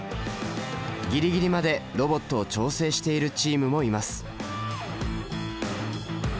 ギリギリまでロボットを調整しているチームもいます。